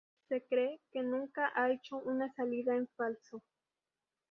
Se cree que nunca ha hecho una salida en falso.